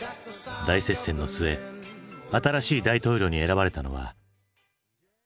大接戦の末新しい大統領に選ばれたのは。